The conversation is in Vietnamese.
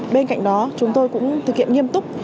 bên cạnh đó chúng tôi cũng thực hiện nghiêm túc